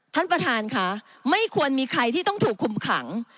ท่านประธานค่ะไม่ควรมีใครที่ต้องถูกคุมขัง